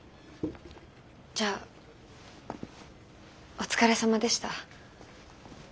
じゃあお疲れさまでした。